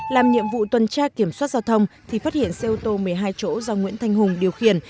làm nhiệm vụ tuần tra kiểm soát giao thông thì phát hiện xe ô tô một mươi hai chỗ do nguyễn thanh hùng điều khiển